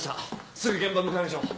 すぐ現場向かいましょう。